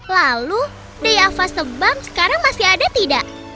lalu deyava sebang sekarang masih ada tidak